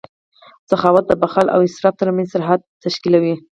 سخاوت د بخل او اسراف ترمنځ سرحد تشکیلوي.